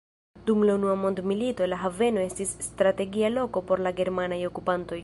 Dum la Unua Mondmilito la haveno estis strategia loko por la germanaj okupantoj.